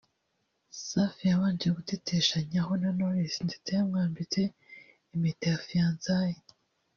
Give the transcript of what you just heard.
Safi yabanje guteteshanyaho na Knowless ndetse yanamwambitse impeta ya fiançailles